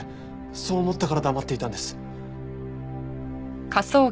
そう思ったから黙っていたんです。